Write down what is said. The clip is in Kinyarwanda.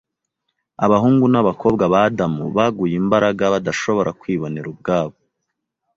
abahungu n’abakobwa ba Adamu baguye imbaraga badashobora kwibonera ubwabo